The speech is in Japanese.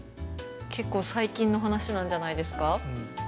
結構最近の話なんじゃないですか？